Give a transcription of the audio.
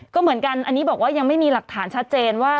ก็เหมือนกันอันนี้บอกว่ายังไม่มีหลักฐานชัดเจนว่า